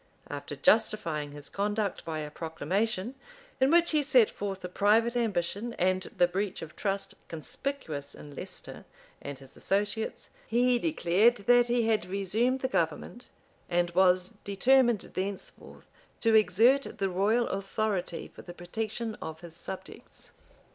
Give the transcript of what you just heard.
After justifying his conduct by a proclamation, in which he set forth the private ambition and the breach of trust conspicuous in Leicester and his associates, be declared that he had resumed the government, and was determined thenceforth to exert the royal authority for the protection of his subjects. * M. Paris.